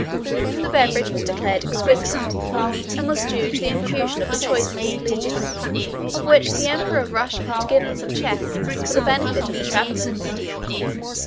The beverage was declared exquisite, and was due to the infusion of the choicest leaves, of which the emperor of Russia had given some chests for the benefit of the travelers.